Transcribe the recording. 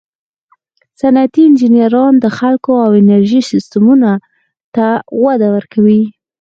صنعتي انجینران د خلکو او انرژي سیسټمونو ته وده ورکوي.